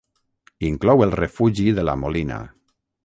Inclou el Refugi de la Molina.